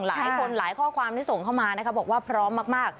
หลายคนหลายข้อความที่ส่งเข้ามานะคะบอกว่าพร้อมมาก